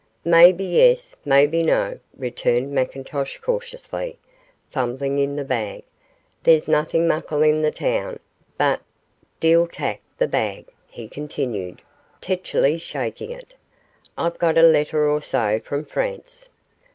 'Maybe yes, maybe no,' returned McIntosh, cautiously, fumbling in the bag; 'there's naething muckle in the toun, but deil tack the bag,' he continued, tetchily shaking it. 'I've gotten a letter or so fra' France.